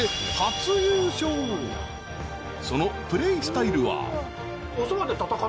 ［そのプレースタイルは］